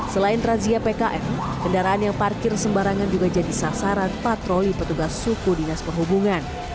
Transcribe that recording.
selain razia pkm kendaraan yang parkir sembarangan juga jadi sasaran patroli petugas suku dinas perhubungan